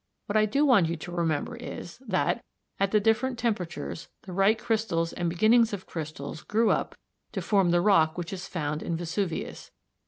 What I do want you to remember is, that, at the different temperatures, the right crystals and beginnings of crystals grew up to form the rock which is found in Vesuvius.